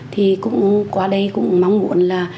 thì cũng qua đây cũng mong muốn là